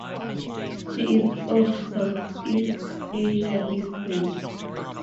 She is of Southeast Asian descent.